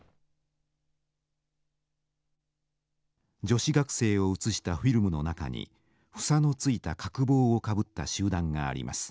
女子学生を写したフィルムの中に房のついた角帽をかぶった集団があります。